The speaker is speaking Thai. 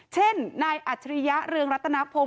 เช่นนายอัจฉริยะเรืองรัตนพงศ